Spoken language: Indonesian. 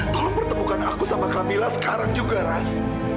tolong pertemukan aku sama camilla sekarang juga ras